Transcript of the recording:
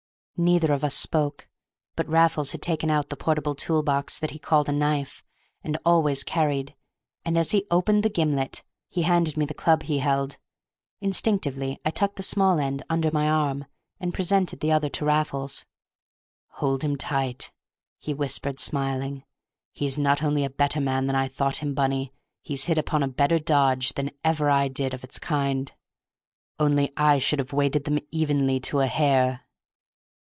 Neither of us spoke. But Raffles had taken out the portable tool box that he called a knife, and always carried, and as he opened the gimlet he handed me the club he held. Instinctively I tucked the small end under my arm, and presented the other to Raffles. "Hold him tight," he whispered, smiling. "He's not only a better man than I thought him, Bunny; he's hit upon a better dodge than ever I did, of its kind. Only I should have weighted them evenly—to a hair."